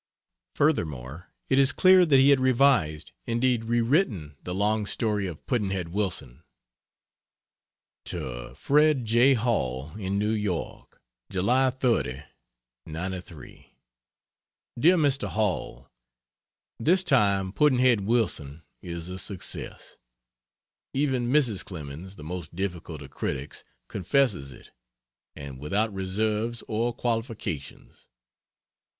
Furthermore, it is clear that he had revised, indeed rewritten, the long story of Pudd'nhead Wilson. To Fred J. Hall, in New York: July 30, '93. DEAR MR. HALL, This time "Pudd'nhead Wilson" is a success! Even Mrs. Clemens, the most difficult of critics, confesses it, and without reserves or qualifications.